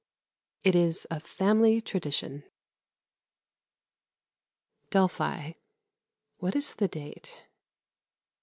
It is a family tradition. Delphi. (What is the date?)